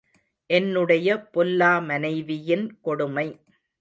என்னுடைய பொல்லா மனைவியின் கொடுமை.